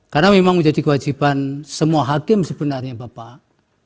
karena memang menjadi kewajiban semua hakim sebenarnya bapak